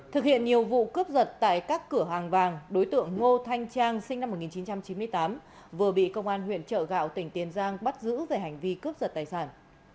thực hiện nhiều vụ cướp giật tại các cửa hàng vàng đối tượng ngô thanh trang sinh năm một nghìn chín trăm chín mươi tám vừa bị công an huyện trợ gạo tỉnh tiền giang bắt giữ về hành vi cướp giật tài sản